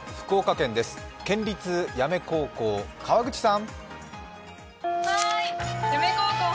県立八女高校、川口さん。